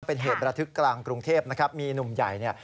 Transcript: เป็นเหตุระทึกกลางกรุงเทพนะครับมีหนุ่มใหญ่เนี่ย